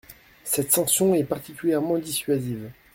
Cette sanction est particulièrement dissuasive.